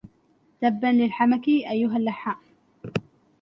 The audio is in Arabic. تبا للحمك أيها اللحام